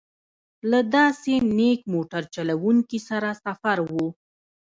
له داسې نېک موټر چلوونکي سره سفر و.